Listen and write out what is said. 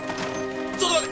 ちょっと待て！